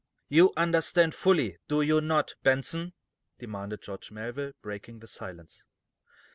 "You understand fully, do you not, Benson?" demanded George Melville, breaking the silence.